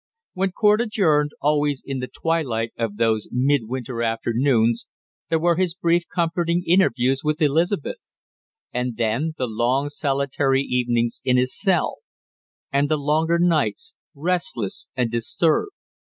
When court adjourned, always in the twilight of those mid winter afternoons, there were his brief comforting interviews with Elizabeth; and then the long solitary evenings in his cell; and the longer nights, restless and disturbed.